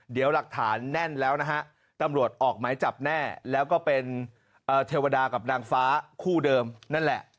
เดี๋ยวหลักฐานแน่นแล้วนะฮะตำรวจออกหมายจับแน่แล้วก็เป็นเทวดากับนางฟ้าคู่เดิมนั่นแหละ